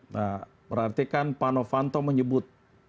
nah berarti kan pak novanto menyebut